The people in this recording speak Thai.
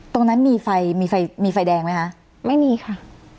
ตรงนั้นมีไฟแดงไหมคะไม่มีค่ะ